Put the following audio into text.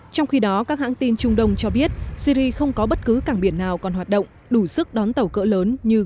trong gì đó các hãng tin trung đông cho biết syria không có bất cứ cảng biển nào còn hoạt động đủ sức đón tàu cỡ lớn như gray i